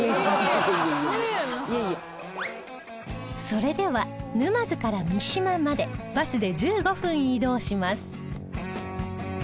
それでは沼津から三島までバスで１５分移動します